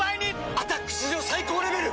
「アタック」史上最高レベル！